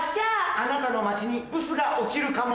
あなたの街にブスが落ちるかも。